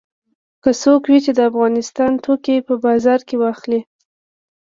که څوک وي چې د افغانستان توکي په بازار کې واخلي.